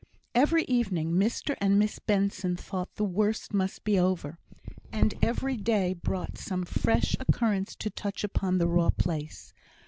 Every evening Mr and Miss Benson thought the worst must be over; and every day brought some fresh occurrence to touch upon the raw place.